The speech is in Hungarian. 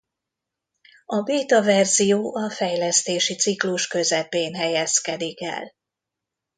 A béta verzió a fejlesztési ciklus közepén helyezkedik el.